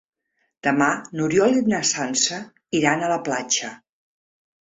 Demà n'Oriol i na Sança iran a la platja.